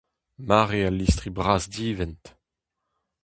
Mare al listri bras-divent.